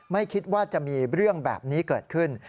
ไม่คิดว่าจะมีเรื่องแบบนี้เกิดขึ้น